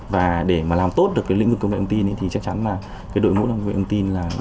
và để mà làm tốt được cái lĩnh vực công ty thì chắc chắn là cái đội ngũ công ty là